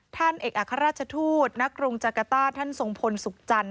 ท่านเอกอัครราชทูตณกรุงจักรต้าท่านทรงพลสุขจันท